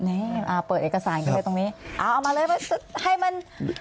นี่เปิดเอกสารไปตรงนี้เอามาเลยให้มัน